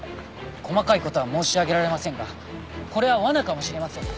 細かい事は申し上げられませんがこれは罠かもしれません。